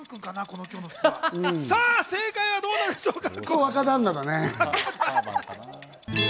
正解はどうなんでしょうか？